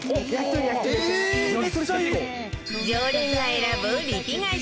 常連が選ぶリピ買い